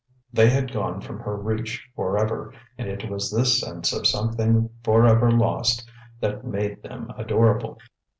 They had gone from her reach for ever; and it was this sense of something for ever lost that made them adorable.